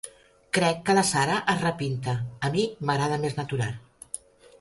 Crec que la Sara es repinta: a mi m'agrada més natural.